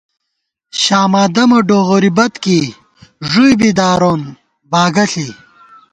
شاما دَمہ ڈوغوری بت کېئی ، ݫُوئی بی دارون باگہ ݪی